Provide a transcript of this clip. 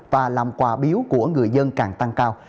và làm quà biếu của người dân càng tăng cao